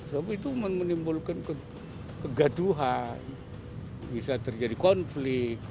sebab itu menimbulkan kegaduhan bisa terjadi konflik